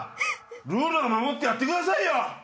ルールは守ってやってくださいよ！